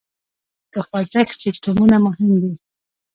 د خوزښت سیسټمونه مهم دي.